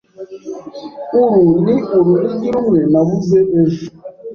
Uru ni urunigi rumwe nabuze ejo.